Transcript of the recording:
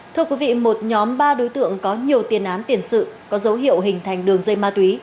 thưa quý vị một nhóm ba đối tượng có nhiều tiền án tiền sự có dấu hiệu hình thành đường dây ma túy